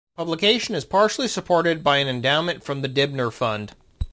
Publication is partly supported by an endowment from the Dibner Fund.